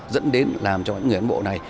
dẫn đến làm cho những người cán bộ này